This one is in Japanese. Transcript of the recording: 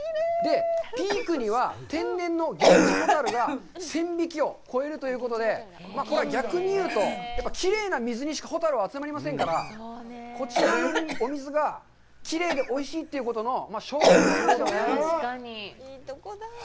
ピークには天然のゲンジホタルが１０００匹を超えるということで、逆に言うと、きれいな水にしかホタルは集まりませんから、こちらのお水がきれいでおいしいということの証拠になりますよね。